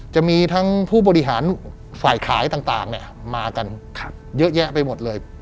จะมีทั้งผู้บริหารฝ่ายขายต่างต่างเนี่ยมากันครับเยอะแยะไปหมดเลย